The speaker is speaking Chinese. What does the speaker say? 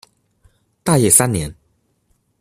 大业三年。